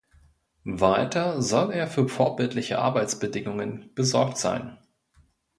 Weiter soll er für vorbildliche Arbeitsbedingungen besorgt sein.